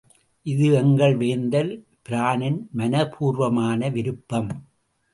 இது எங்கள் வேந்தர் பிரானின் மனப்பூர்வமான விருப்பம்.